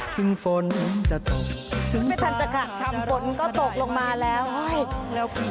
ทิ้งฟนจะตกไม่ทันจะขัดคำฝนก็ตกลงมาแล้วเฮ้ย